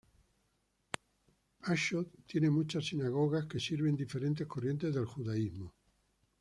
Ashdod tiene muchas sinagogas que sirven diferentes corrientes de judaísmo.